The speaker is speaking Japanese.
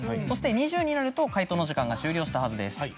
そして２０になると解答の時間が終了したはずです。